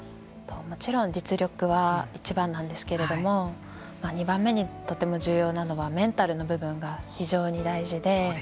もちろん実力はいちばんなんですけれども２番目にとても重要なのはメンタルの部分が非常に大事で。